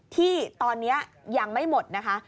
ที่ตอนนี้ยังไม่หมดนะคะ